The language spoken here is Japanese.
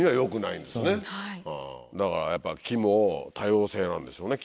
だからやっぱ木も多様性なんですよねきっとね。